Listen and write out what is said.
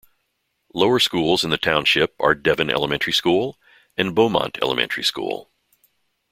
Lower schools in the township are Devon Elementary School and Beaumont Elementary School.